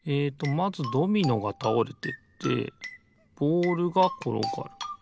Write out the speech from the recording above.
まずドミノがたおれてってボールがころがる。